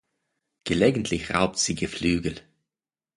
Gelegentlich raubt sie Geflügel.